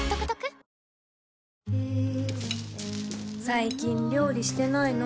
最近料理してないの？